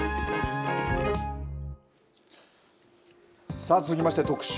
さあ続きまして、特集